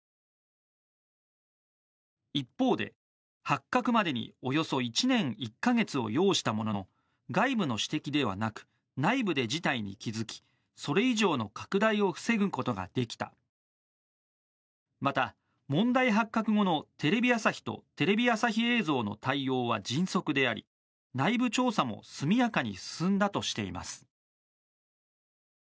一方で、発覚までにおよそ１年１か月を要したものの外部の指摘ではなく内部で事態に気づきそれ以上の拡大を防ぐことができたまた、問題発覚後のテレビ朝日とテレビ朝日映像の対応は迅速であり、内部調査も速やかに進んだとしています。